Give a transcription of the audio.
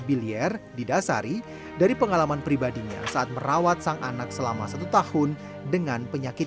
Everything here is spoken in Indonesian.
bilier didasari dari pengalaman pribadinya saat merawat sang anak selama satu tahun dengan penyakit